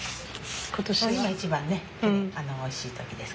今一番ねおいしい時です。